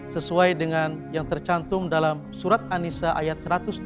sesuai dengan yang tercantum dalam surat an nisa ayat satu ratus dua puluh lima